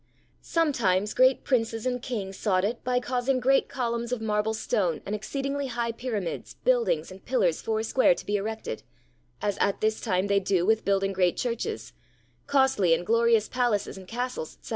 Sometimes great Princes and Kings sought it by causing great columns of marble stone and exceedingly high pyramids, buildings, and pillars four square to be erected, as at this time they do with building great churches, costly and glorious palaces and castles, etc.